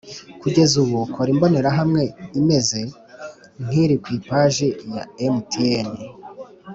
kugeza ubu Kora imbonerahamwe imeze nk iri ku ipaji ya mtn